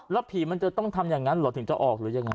แล้วผีมันจะต้องทำอย่างนั้นเหรอถึงจะออกหรือยังไง